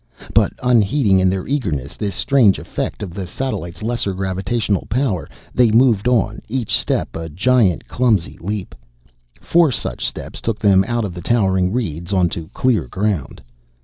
But unheeding in their eagerness this strange effect of the satellite's lesser gravitational power, they moved on, each step a giant, clumsy leap. Four such steps took them out of the towering reeds onto clear ground.